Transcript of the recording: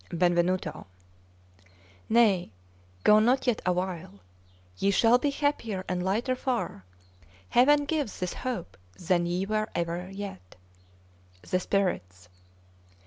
'Benvenuto. 'Nay, go not yet awhile! Ye shall be happier and lighter far Heaven gives this hope than ye were ever yet! 'The Spirits.